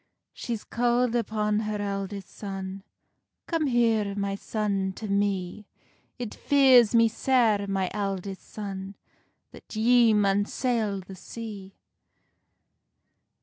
She's calld upon her eldest son: "Come here, my son, to me; It fears me sair, my eldest son, That ye maun sail the sea."